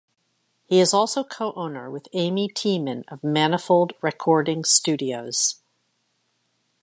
He is also co-owner with Amy Tiemann of Manifold Recording Studios.